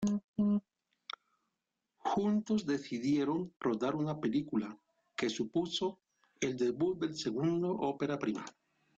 Juntos decidieron rodar una película que supuso el debut del segundo: "Ópera prima".